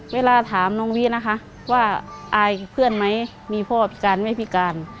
เวลาถามน้องวินะคะว่าอายเพื่อนไหมมีพ่อพิการไม่พิการ